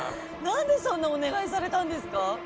何でそんなお願いされたんですか？